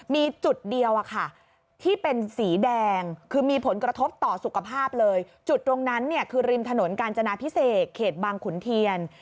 มีจุดเดียวอะค่ะที่เป็นสีแดงคือมีผลกระทบต่อสุขภาพเลยจุดตรงนั้นเนี่ยคือริมถนนกาญจนาพิเศษเขตบางขุนเทียน